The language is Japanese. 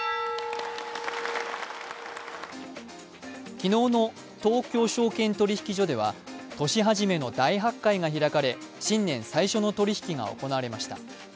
昨日の東京証券取引所では、年始めの大発会が開かれ新年最初の取引が行われました。